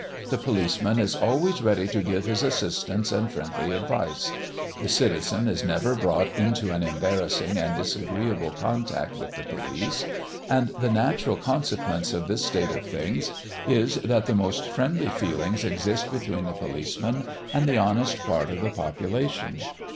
The policeman is always ready to give his assistance and friendly advice; the citizen is never brought into an embarrassing and disagreeable contact with the police; and the natural consequence of this state of things is, that the most friendly feelings exist between the policeman and the honest part of the population.